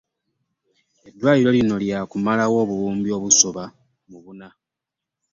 Eddwaliro lino lya kumalawo obuwumbi obusoba mu buna.